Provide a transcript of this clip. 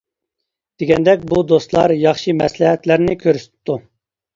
دېگەندەك بۇ دوستلار ياخشى مەسلىھەتلەرنى كۆرسىتىپتۇ.